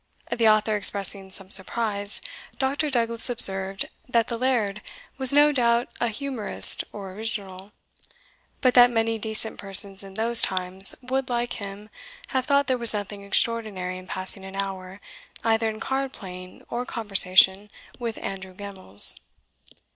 The author expressing some surprise, Dr. Douglas observed, that the laird was no doubt a humourist or original; but that many decent persons in those times would, like him, have thought there was nothing extraordinary in passing an hour, either in card playing or conversation, with Andrew Gemmells.